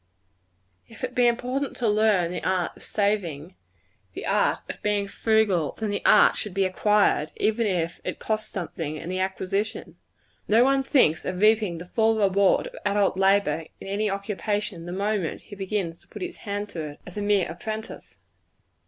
If it be important to learn the art of saving the art of being frugal then the art should be acquired, even if it costs something in the acquisition. No one thinks of reaping the full reward of adult labor in any occupation, the moment he begins to put his hand to it, as a mere apprentice.